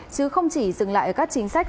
chứ không chỉ dừng lại các chính sách